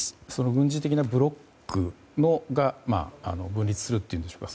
軍事的なブロックが分立するというんでしょうか。